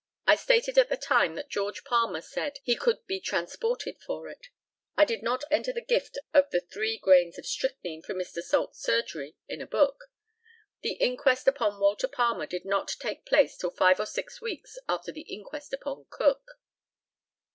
I stated at the same time that George Palmer said he could be transported for it. I did not enter the gift of the three grains of strychnine from Mr. Salt's surgery in a book. The inquest upon Walter Palmer did not take place till five or six weeks after the inquest upon Cook.